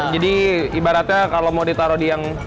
jadi ibaratnya kalau mau ditaruh di yang begini